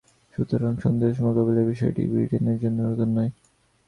সুতরাং, সন্ত্রাস মোকাবিলার বিষয়টি ব্রিটেনের জন্য নতুন নয়।